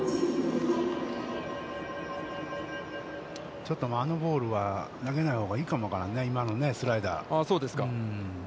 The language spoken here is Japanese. ちょっとあのボールは投げないほうがいいかも分からないね、今のスライダー。